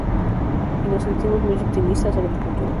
Y nos sentimos muy optimistas sobre el futuro.